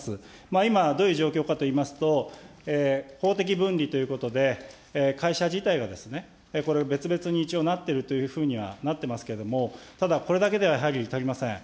今、どういう状況かといいますと、法的分離ということで、会社自体がこれ別々に一応なってるというふうにはなってますけれども、ただこれだけではやはり足りません。